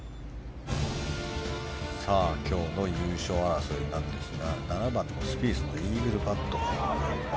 今日の優勝争いなんですが７番のスピースのイーグルパットから。